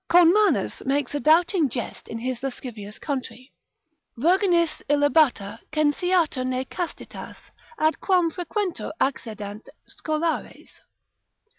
Kornmannus makes a doubting jest in his lascivious country, Virginis illibata censeatur ne castitas ad quam frequentur accedant scholares?